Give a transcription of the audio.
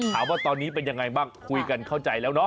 ถามว่าตอนนี้เป็นยังไงบ้างคุยกันเข้าใจแล้วเนาะ